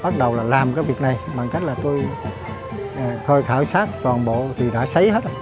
bắt đầu là làm cái việc này bằng cách là tôi khảo sát toàn bộ thì đã xấy hết